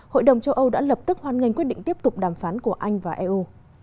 hội đồng châu âu đã lập tức hoan nghênh quyết định tiếp tục đàm phán của anh và eu